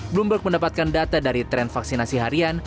bloomberg mendapatkan data dari tren vaksinasi harian